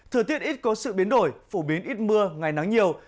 thời tiết ít có sự biến đổi phổ biến ít mưa ngày nắng nhiều